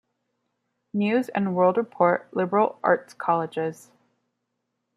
News and World Report liberal arts colleges.